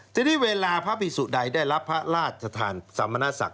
ทีนี้เวลาพระพิสุใดได้รับพระราชทานสมณศักดิ